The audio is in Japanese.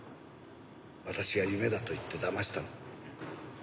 私が夢だと言ってだましたの。